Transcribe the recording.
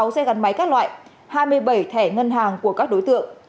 sáu xe gắn máy các loại hai mươi bảy thẻ ngân hàng của các đối tượng